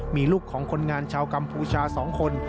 มีลูกของคนงานชาวกัมพูชา๒คน